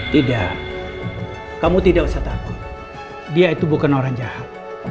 tidak kamu tidak usah takut dia itu bukan orang jahat